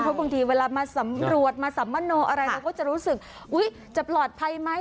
เพราะบางทีเวลามาสำรวจมาสัมมโนอะไรเราก็จะรู้สึกอุ๊ยจะปลอดภัยไหม